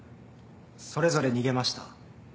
それぞれ逃げました。